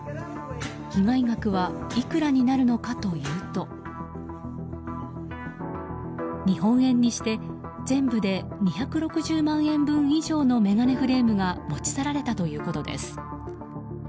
被害額はいくらになるのかというと日本円にして全部で２６０万円分以上の眼鏡フレームが持ち去られたということです。